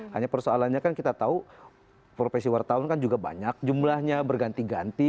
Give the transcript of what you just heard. hanya persoalannya kan kita tahu profesi wartawan kan juga banyak jumlahnya berganti ganti